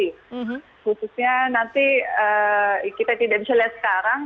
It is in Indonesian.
khususnya nanti kita tidak bisa lihat sekarang